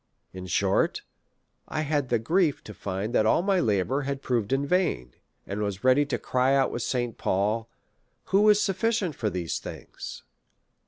In short, I had the grief to find that all ray labour had proved in vain, and was ready to cry out with St. Paul, Who is sufficient for these things